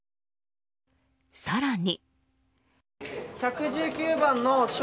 更に。